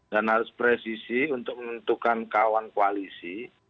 dan harus presisi untuk menentukan kawan koalisi